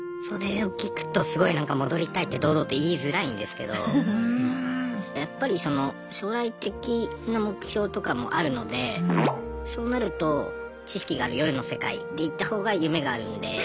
それを聞くとすごいなんか戻りたいって堂々と言いづらいんですけどやっぱりその将来的な目標とかもあるのでそうなると知識がある夜の世界でいったほうが夢があるんで。